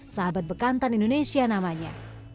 sahabat bekantan indonesia namanya